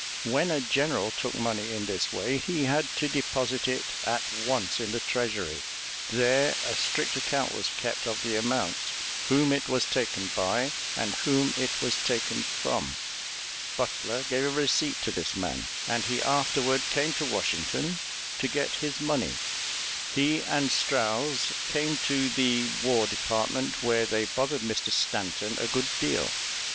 When a general took money in this way he had to deposit it at once in the Treasury; there a strict account was kept of the amount, whom it was taken by, and whom it was taken from. Butler gave a receipt to this man, and he afterward came to Washington to get his money. He and Strouse came to the War Department, where they bothered Mr. Stanton a good deal.